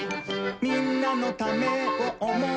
「みんなのためをおもう」